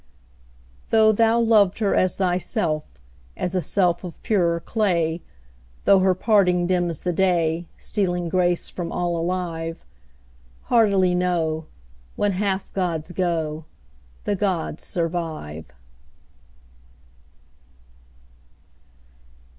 Though thou loved her as thyself, As a self of purer clay, Though her parting dims the day, Stealing grace from all alive; Heartily know, When half gods go, The gods survive.